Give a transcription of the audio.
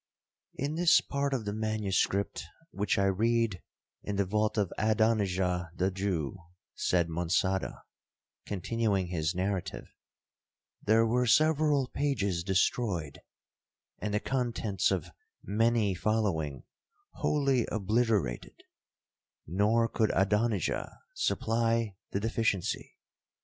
'In this part of the manuscript, which I read in the vault of Adonijah the Jew,' said Monçada, continuing his narrative, 'there were several pages destroyed, and the contents of many following wholly obliterated—nor could Adonijah supply the deficiency.